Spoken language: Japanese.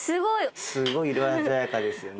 すごい色鮮やかですよね。